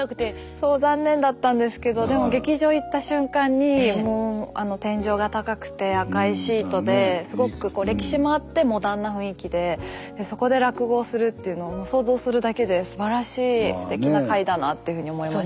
そう残念だったんですけどでも劇場行った瞬間にもうあの天井が高くて赤いシートですごく歴史もあってモダンな雰囲気でそこで落語をするっていうのをもう想像するだけですばらしいすてきな会だなっていうふうに思いました。